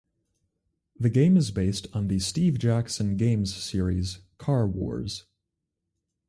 The game is based on the Steve Jackson Games series "Car Wars".